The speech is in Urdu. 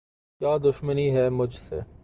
کیا دشمنی ہے مجھ سے؟